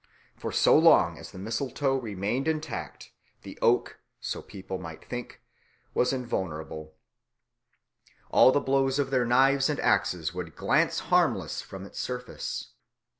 For so long as the mistletoe remained intact, the oak (so people might think) was invulnerable; all the blows of their knives and axes would glance harmless from its surface.